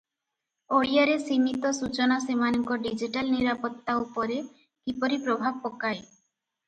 ଓଡ଼ିଆରେ ସୀମିତ ସୂଚନା ସେମାନଙ୍କ ଡିଜିଟାଲ ନିରାପତ୍ତା ଉପରେ କିପରି ପ୍ରଭାବ ପକାଏ?